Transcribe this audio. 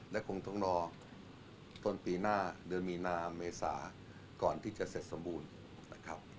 และคงต้องรอต้นปีหน้าเดือนมีนาเมษาก่อนที่จะเสร็จสมบูรณ์นะครับ